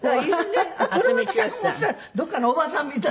どこかのおばさんみたい。